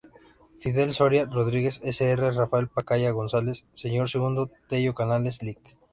Fidel Soria Rodriguez, Sr. Rafael Pacaya Gonzales, Señor Segundo Tello Canales, Lic.